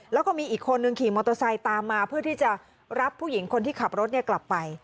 แล้วก็มีอีกคนนึงขี่มอเตอร์ไซค์ตามมาเพื่อที่จะรับผู้หญิงคนที่ขับรถกลับไป